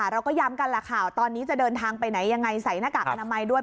เราก็ย้ำกันแหละค่ะตอนนี้จะเดินทางไปไหนยังไงใส่หน้ากากอนามัยด้วย